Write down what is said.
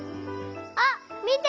あっみて！